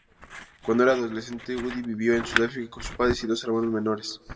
Cuando era adolescente, Udi vivió en Sudáfrica con sus padres y dos hermanos menores.